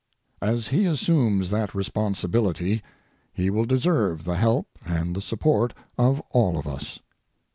As he assumes that responsibility, he will deserve the help and the support of all of us.